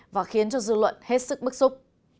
và khiến cho dư luận hết sức bức xúc